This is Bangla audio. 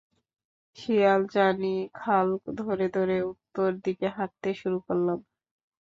শিয়ালজানি খাল ধরে ধরে উত্তর দিকে হাঁটতে শুরু করলাম।